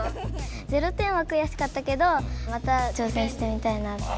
０点はくやしかったけどまた挑戦してみたいな。